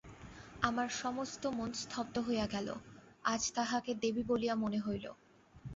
আমার সমস্ত মন স্তব্ধ হইয়া গেল, আজ তাহাকে দেবী বলিয়া মনে হইল।